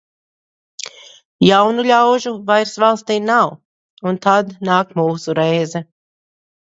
Jaunu ļaužu vairs valstī nav, un tad nāk mūsu reize.